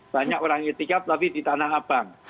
banyak orang itikaf tapi di tanah abang